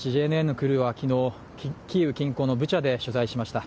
ＪＮＮのクルーは昨日、キーウ近郊のブチャで取材しました。